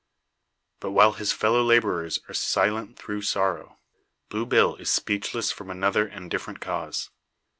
But while his fellow labourers are silent through sorrow, Blue Bill is speechless from another and different cause.